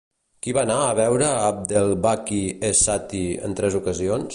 Qui va anar a veure Abdelbaki es-Satti en tres ocasions?